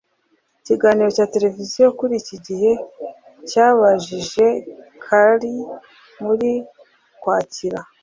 ikiganiro cya televiziyo kuri iki gihe cyabajije Kylie mu Kwakira